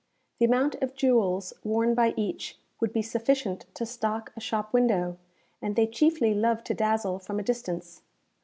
The amount of jewels worn by each would be sufficient to stock a shop window; and they chiefly love to dazzle from a distance.